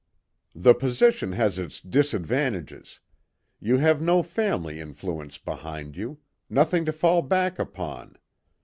"The position has its disadvantages. You have no family influence behind you; nothing to fall back upon.